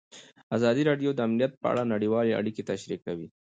ازادي راډیو د امنیت په اړه نړیوالې اړیکې تشریح کړي.